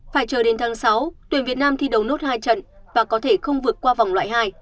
phải chờ đến tháng sáu tuyển việt nam thi đấu nốt hai trận và có thể không vượt qua vòng loại hai